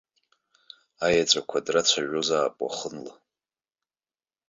Аеҵәақәа драцәажәозаап уахынла.